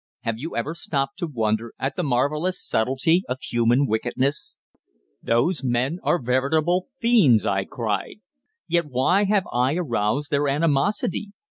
"Have you never stopped to wonder at the marvellous subtlety of human wickedness?" "Those men are veritable fiends," I cried. "Yet why have I aroused their animosity?